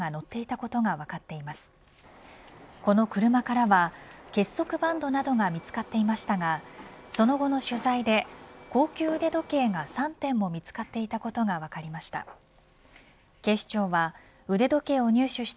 この車からは、結束バンドなどが見つかっていましたがその後の取材で高級腕時計が３点も見つかっていたことが分かりました。